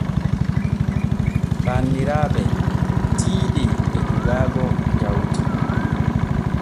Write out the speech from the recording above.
Banniraaɓe tiiɗe e jogaaga jaudi.